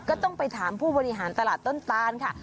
ก็ต้องไปถามผู้บริหารตลาดต้นตานค่ะ